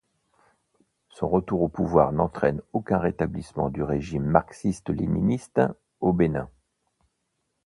Son retour au pouvoir n'entraîne aucun rétablissement du régime marxiste-léniniste au Bénin.